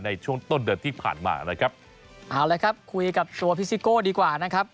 ในช่วงต้นเดือนที่ผ่านมานะครับเอาละครับคุยกับตัวพี่ซิโก้ดีกว่านะครับ